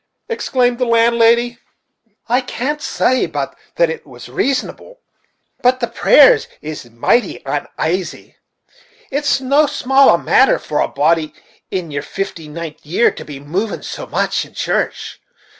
exclaimed the landlady. "I can't say but it was rasonable; but the prayers is mighty unasy. It's no small a matter for a body in their fifty nint' year to be moving so much in church. Mr.